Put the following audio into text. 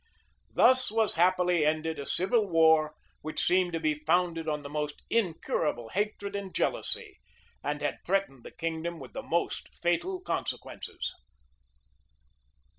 [] Thus was happily ended a civil war which seemed to be founded on the most incurable hatred and jealousy, and had threatened the kingdom with the most fatal consequences.